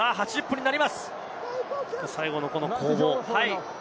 最後の攻防。